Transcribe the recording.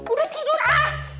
udah tidur hah